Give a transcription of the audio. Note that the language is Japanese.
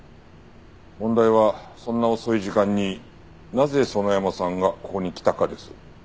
問題はそんな遅い時間になぜ園山さんがここに来たかです。